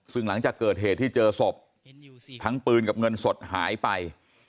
ซึ่งหลังจากเกิดเหตุที่เจอศพทั้งปืนกับเงินสดหายไป